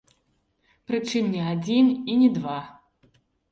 Прычым не адзін і не два.